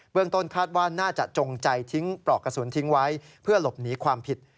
ต้นคาดว่าน่าจะจงใจทิ้งปลอกกระสุนทิ้งไว้เพื่อหลบหนีความผิด